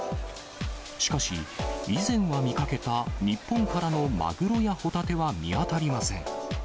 しかし、以前は見かけた日本からのマグロやホタテは見当たりません。